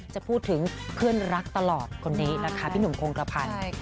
จะพูดถึงเพื่อนรักตลอดคนนี้นะคะพี่หนุ่มโครงกระพันธ์